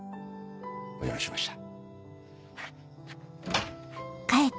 お邪魔しました。